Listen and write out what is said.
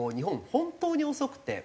本当に遅くて。